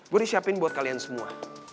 gue disiapin buat kalian semua